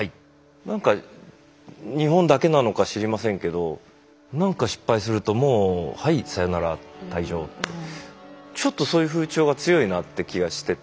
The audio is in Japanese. なんか日本だけなのか知りませんけど何か失敗するともうはいサヨナラ退場ってちょっとそういう風潮が強いなって気がしてて。